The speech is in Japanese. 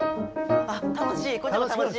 あっ楽しい。